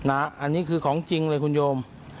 อันนี้คือของจริงเลยคุณโยม